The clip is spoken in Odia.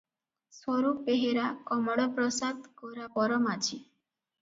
ସ୍ୱରୂପ ବେହେରା କମଳପ୍ରସାଦ ଗୋରାପର ମାଝି ।